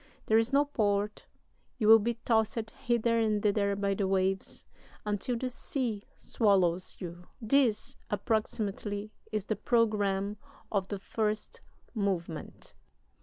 There is no port: you will be tossed hither and thither by the waves, until the sea swallows you. This, approximately, is the programme of the first movement.